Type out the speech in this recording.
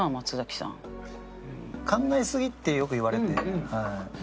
考えすぎってよく言われるんで。